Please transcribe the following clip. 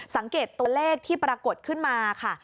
สังเกตตัวเลขที่ปรากฏขึ้นมาค่ะ